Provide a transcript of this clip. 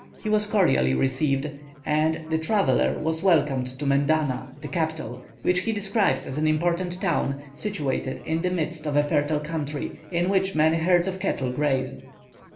He was cordially received, and the traveller was welcomed to Mendana, the capital, which he describes as an important town, situated in the midst of a fertile country, in which many herds of cattle graze.